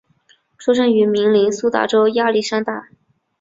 出生于明尼苏达州亚历山大。